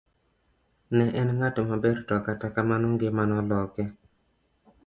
Ne en ng'at maber to kata kamano ngima noloke.